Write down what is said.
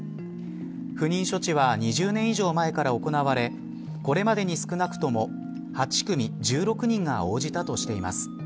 不妊処置は２０年以上前から行われこれまでに少なくとも８組１６人が応じたとしています。